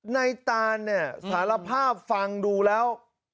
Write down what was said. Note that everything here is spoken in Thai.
ตานเนี่ยสารภาพฟังดูแล้ว